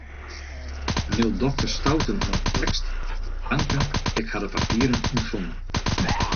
Mail dokter Stouten mei de tekst: Tanke, ik ha de papieren ûntfongen.